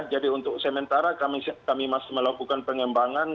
jadi untuk sementara kami masih melakukan pengembangan